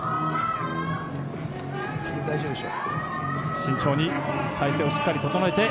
慎重に体勢をしっかり整えて。